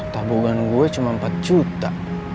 tabungan gue cuma empat juta